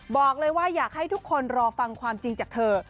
บอกเลยว่าอยากให้ทุกคนรอฟังความจริงจากเธอ